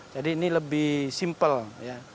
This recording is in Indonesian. jadi ini lebih simple ya